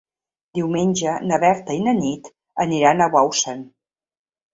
Diumenge na Berta i na Nit aniran a Bausen.